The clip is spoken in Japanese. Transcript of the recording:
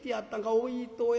おいとや。